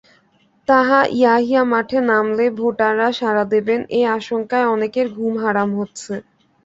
তাহা ইয়াহিয়া মাঠে নামলে ভোটাররা সাড়া দেবেন—এ আশঙ্কায় অনেকের ঘুম হারাম হচ্ছে।